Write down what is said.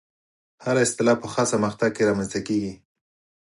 هره اصطلاح په خاصه مقطع کې رامنځته کېږي.